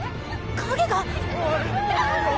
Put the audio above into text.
影が！